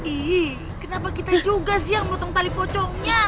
ih kenapa kita juga sih yang botong tali pocongnya